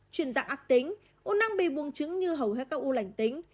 chuyển dạng ác tính u năng bị buồn trứng như hầu hết các u lảnh tính